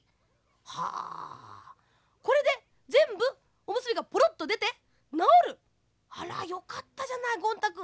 はあこれでぜんぶおむすびがポロッとでてなおる？あらよかったじゃないゴン太くん。